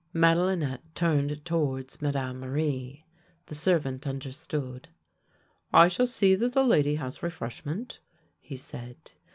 Madelinette turned towards Madame Marie. The servant understood. " I shall see that the lady has refreshment," he said.